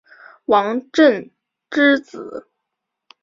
王震之子。